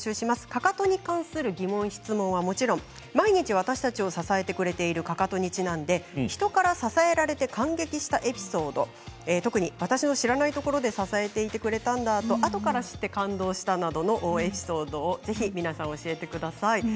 かかとに関する疑問、質問はもちろん毎日私たちを支えてくれているかかとにちなんで人から支えられて感激したエピソード特に私の知らないところで支えてくれたんだと、あとから知って感動したなどのエピソードを教えてください。